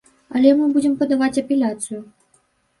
Але мы будзем падаваць апеляцыю.